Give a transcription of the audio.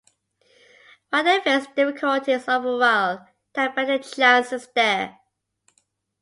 While they faced difficulties, overall they had better chances there.